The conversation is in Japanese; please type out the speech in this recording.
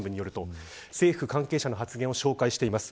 政府関係者の発言を紹介しています。